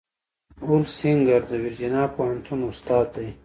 هولسینګر د ورجینیا پوهنتون استاد دی.